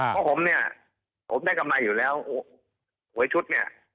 เพราะผมเนี่ยผมได้กำไรอยู่แล้วหวยชุดเนี่ย